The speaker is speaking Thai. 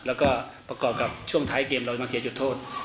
แล้วก็ประกอบกับช่วงท้ายเกมเรายังเสียจุดโทษ